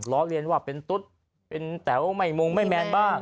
ล้อเลียนว่าเป็นตุ๊ดเป็นแต๋วไม่มงไม่แมนบ้าง